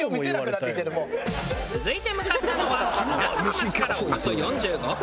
続いて向かったのはみなかみ町からおよそ４５分。